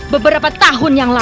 beberapa tahun yang lalu